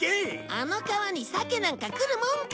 あの川に鮭なんか来るもんか！